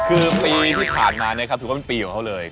คือปีที่ผ่านมานะครับถือว่าเป็นปีของเขาเลย